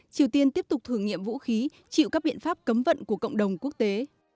triều tiên tiếp tục thử nghiệm vũ khí chịu các biện pháp cấm vận của cộng đồng quốc tế